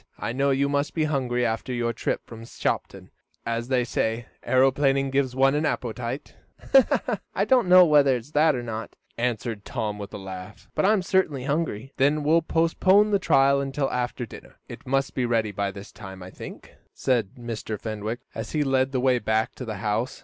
I know you must be hungry after your trip from Shopton, as they say aeroplaning gives one an appetite." "I don't know whether it's that or not," answered Tom with a laugh, "but I am certainly hungry." "Then we'll postpone the trial until after dinner. It must be ready by this time, I think," said Mr. Fenwick, as he led the way back to the house.